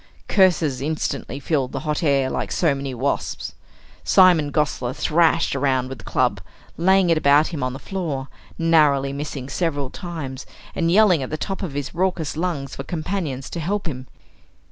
Curses instantly filled the hot air like so many wasps. Simon Gosler thrashed around with the club laying it about him on the floor, narrowly missing several times, and yelling at the top of his raucous lungs for companions to help him.